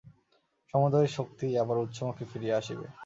সমুদয় শক্তিই আবার উৎসমুখে ফিরিয়া আসিবে।